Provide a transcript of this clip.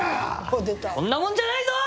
こんなもんじゃないぞ！